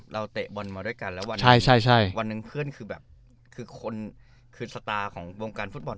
เราเตะบนมาด้วยกันแล้ววันนึงเพื่อนคือบางคนคือสตาร์ของโรงการฟุตบอล